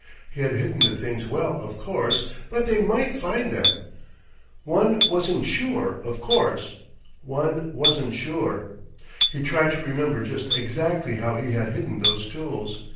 He had hidden the things well, of course, but they MIGHT find them. One wasn't sure, of course one wasn't sure. He tried to remember just exactly how he had hidden those tools.